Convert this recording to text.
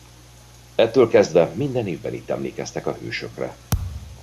Ettől kezdve minden évben itt emlékeztek a hősökre.